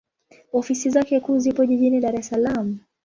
Ofisi zake kuu zipo Jijini Dar es Salaam.